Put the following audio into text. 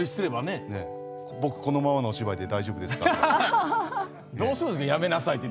僕、このままのお芝居で大丈夫ですかって。